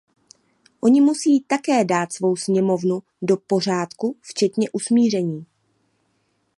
Oni musí také dát svou sněmovnu do pořádku včetně usmíření.